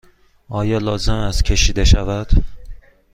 آیا لازم است که کشیده شود؟